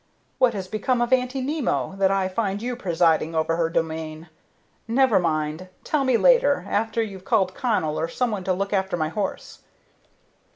What has become of Aunty Nimmo, that I find you presiding over her domain? Never mind; tell me later, after you've called Connell or some one to look after my horse."